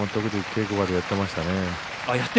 稽古で私もやっていましたね。